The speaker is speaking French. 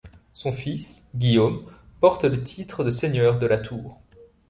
Son fils Guillaume porte le titre de seigneur de la Tour.